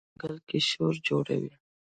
مارغان په ځنګل کي شور جوړوي.